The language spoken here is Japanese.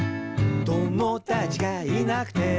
「友だちがいなくても」